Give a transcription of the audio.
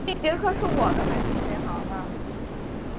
布鲁肯撒尔国家博物馆的主要部分设于布鲁肯撒尔宫内。